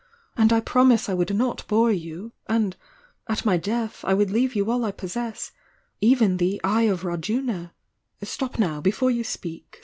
And I promise I would not bore you. And at my death I would leave you all I possess — even the 'Eye of Rajuna!' Stop now, before you speak!